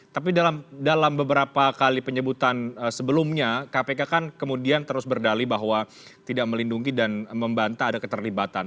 tapi dalam beberapa kali penyebutan sebelumnya kpk kan kemudian terus berdali bahwa tidak melindungi dan membantah ada keterlibatan